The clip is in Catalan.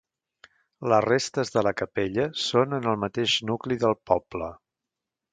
Les restes de la capella són en el mateix nucli del poble.